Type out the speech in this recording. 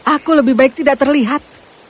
aku lebih baik tidak terlihat